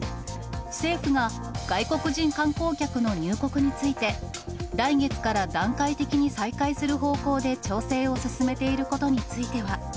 政府が外国人観光客の入国について、来月から段階的に再開する方向で調整を進めていることについては。